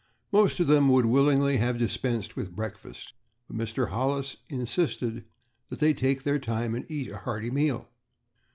Most of them would willingly have dispensed with breakfast, but Mr. Hollis insisted that they take their time and eat a hearty meal.